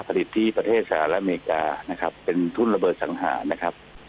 ผลิตที่ประเทศอเมริกาเป็นทุ่นระเบิดสังหาร